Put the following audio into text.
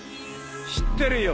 知ってるよ。